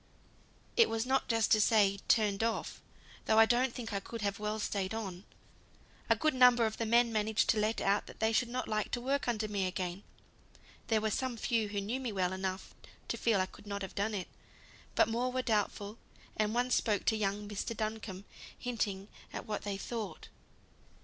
"It was not just to say turned off, though I don't think I could have well stayed on. A good number of the men managed to let out they should not like to work under me again; there were some few who knew me well enough to feel I could not have done it, but more were doubtful; and one spoke to young Mr. Duncombe, hinting at what they thought."